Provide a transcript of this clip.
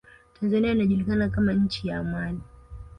tanzania inajulikana kama nchi ya amani